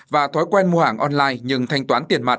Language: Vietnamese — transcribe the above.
và thói quen mua hàng online nhưng thanh toán tiền mặt